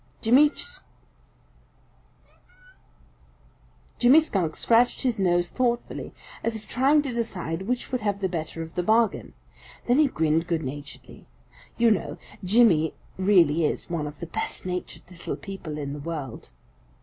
Jimmy Skunk scratched his nose thoughtfully as if trying to decide which would have the better of the bargain. Then he grinned good naturedly. You know, Jimmy really is one of the best natured little people in the world.